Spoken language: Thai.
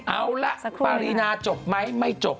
เอาละปารีนาจบไหมไม่จบ